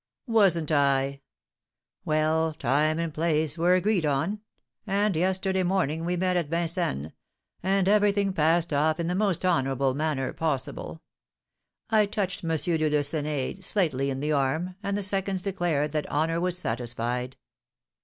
"Wasn't I? Well, time and place were agreed on; and yesterday morning we met at Vincennes, and everything passed off in the most honourable manner possible. I touched M. de Lucenay slightly in the arm, and the seconds declared that honour was satisfied.